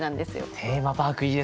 テーマパークいいですねえ。